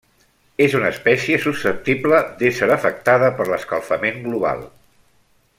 És una espècie susceptible d'ésser afectada per l'escalfament global.